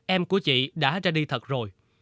em của chị đã ra đi thật rồi